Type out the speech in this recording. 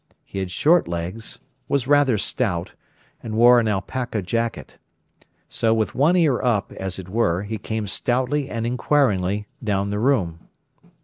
He had short legs, was rather stout, and wore an alpaca jacket. So, with one ear up, as it were, he came stoutly and inquiringly down the room.